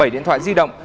bảy điện thoại di động